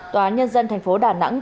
tòa án nhân dân tp đà nẵng